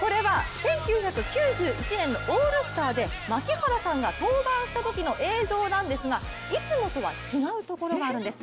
これは１９９１年のオールスターで槙原さんが登板したときの映像なんですがいつもとは違うところがあるんです。